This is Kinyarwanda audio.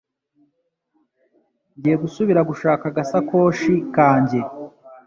Ngiye gusubira gushaka agasakoshi kanjye